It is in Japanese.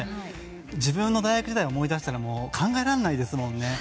自分の大学時代を思い出すと考えられないですもんね。